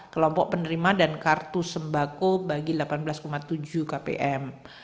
kelompok penerima dan kartu sembako bagi delapan belas tujuh kpm